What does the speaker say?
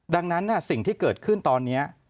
ดังนั้นสิ่งที่เกิดขึ้นตอนนี้